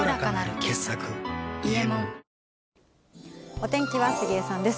お天気は杉江さんです。